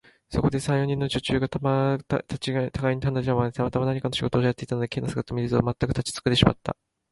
そこでは、三、四人の女中がたがいに離れたままで、たまたま何かの仕事をやっていたが、Ｋ の姿を見ると、まったく立ちすくんでしまった。